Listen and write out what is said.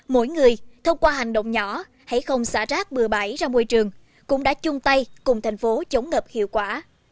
mỗi người thông qua hành động nhỏ hãy không xả rác bừa bãi ra môi trường cũng đã chung tay cùng thành phố chống ngập hiệu quả